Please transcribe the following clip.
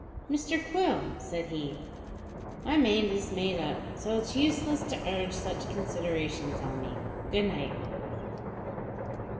"Mr Quill," said he, "my mind is made up, so it is useless to urge such considerations on me. Good night."